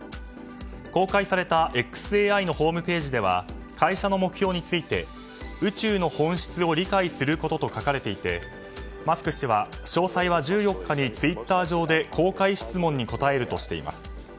公開されたｘＡＩのホームページでは会社の目標について宇宙の本質を理解することと書かれていてマスク氏は、詳細は１４日にツイッター上で公開質問に答えるとしています。